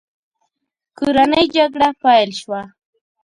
کورنۍ جګړه پیل شوه.